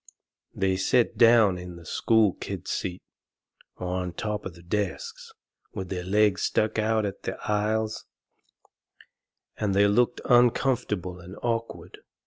They set down in the school kids' seats, or on top of the desks, and their legs stuck out into the aisles, and they looked uncomfortable and awkward.